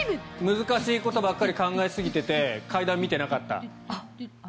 難しいことばっかり考えてて階段を見ていなかった。